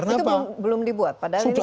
itu belum dibuat